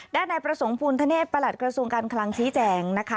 ในประสงค์ภูมิธเนศประหลัดกระทรวงการคลังชี้แจงนะคะ